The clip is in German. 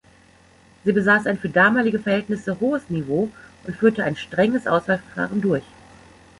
Sie besaß ein für damalige Verhältnisse hohes Niveau und führte ein strenges Auswahlverfahren durch.